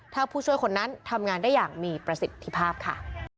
ถ้าผู้ช่วยคนนั้นทำงานได้อย่างมีประสิทธิภาพค่ะ